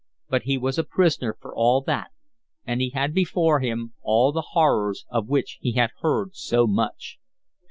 But he was a prisoner for all that, and he had before him all the horrors of which he had heard so much.